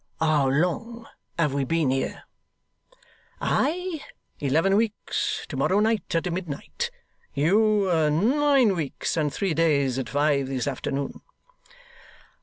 'How long have we been here?' 'I, eleven weeks, to morrow night at midnight. You, nine weeks and three days, at five this afternoon.